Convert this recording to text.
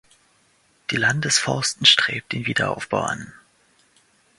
Die Landesforsten strebt den Wiederaufbau an.